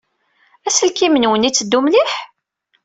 Aselkim-nwen yetteddu mliḥ?